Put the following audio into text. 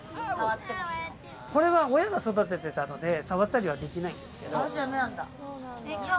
これは親が育ててたので触ったりはできないんですけど。